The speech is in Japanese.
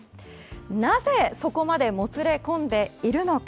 なぜそこまでもつれ込んでいるのか。